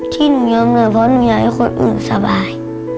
ที่หนูยอมเหนื่อยเพราะหนูอยากให้คนอื่นสบาย